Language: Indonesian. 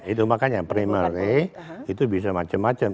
itu makanya primary itu bisa macam macam